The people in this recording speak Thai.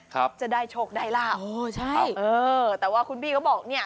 ครับจะได้โชคได้ลาบอ๋อใช่เออแต่ว่าคุณบี้ก็บอกเนี้ย